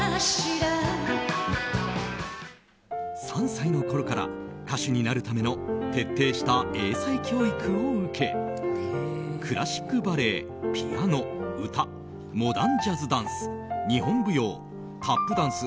３歳のころから歌手になるための徹底した英才教育を受けクラシックバレエ、ピアノ、歌モダンジャズダンス日本舞踊、タップダンス